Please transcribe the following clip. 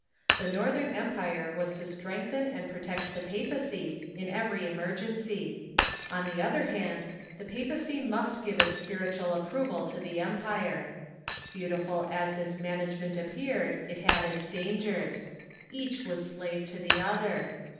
The Northern em pire was to strengthen and protect the papacy in every emer gency. On the other hand, the papacy must give its spiritual approval to the empire. Beautiful as this management ap peared, it had its dangers. Each was slave to the other.